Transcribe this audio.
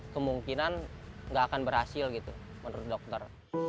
kemungkinan nggak akan berhasil gitu menurut dokter